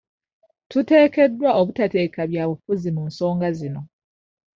Tuteekeddwa obutateeka byabufuzi mu nsonga zino.